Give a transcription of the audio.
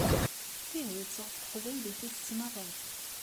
D tidet ɣef teqbaylit i tettnaɣeḍ?